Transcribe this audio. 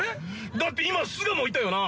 ◆だって今巣鴨行ったよな。